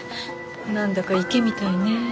何だか池みたいね。